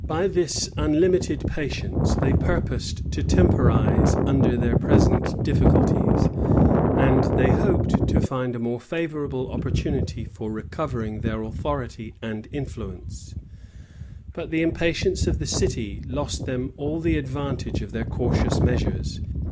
[] By this unlimited patience, they purposed to temporize under their present difficulties, and they hoped to find a more favorable opportunity for recovering their authority and influence: but the impatience of the city lost them all the advantage of their cautious measures.